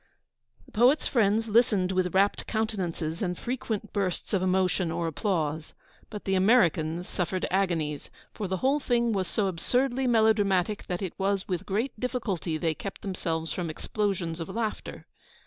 The poet's friends listened with rapt countenances and frequent bursts of emotion or applause; but the Americans suffered agonies, for the whole thing was so absurdly melodramatic that it was with great difficulty they kept themselves from explosions of laughter.